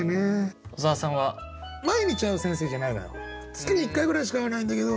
月に１回ぐらいしか会わないんだけど